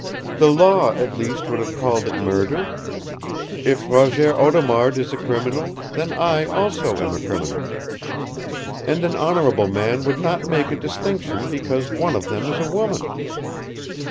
The Law, at least, would have called it murder. If Roger Audemard is a criminal, then I also am a criminal. And an honorable man would not make a distinction because one of them is a woman!"